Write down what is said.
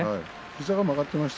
膝が曲がっていました。